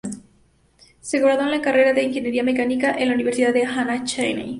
Se graduó en la carrera de ingeniería mecánica en la Universidad de Anna, Chennai.